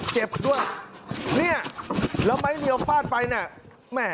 เจ็บด้วยนี่แล้วไม้เหนียวฟาดไปนะ